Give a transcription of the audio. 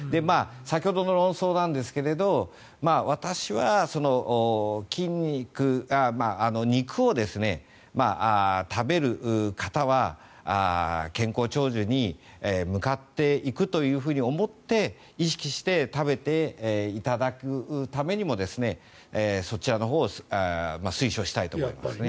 先ほどの論争なんですが私は肉を食べる方は健康長寿に向かっていくと思って意識して食べていただくためにもそちらのほうを推奨したいと思います。